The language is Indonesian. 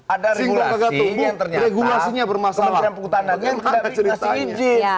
ada regulasi yang ternyata kementerian kutanan yang tidak dikasih izin